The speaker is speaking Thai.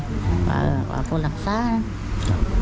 ครบหนีกดและแบกมานั่ง